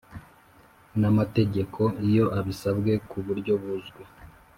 n amategeko iyo abisabwe ku buryo buzwi